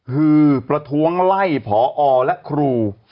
คือประท้วงไล่ผอและครู